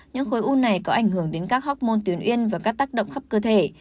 những khối u này có ảnh hưởng đến các hóc môn tuyến uyên và các tác động khắp cơ thể